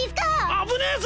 危ねえぞ！